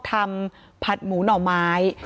ผัดหมูหน่อไม้